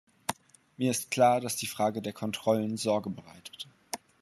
Mir ist klar, dass die Frage der Kontrollen Sorge bereitet.